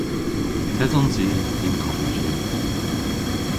Yth esons i y'n koffiji.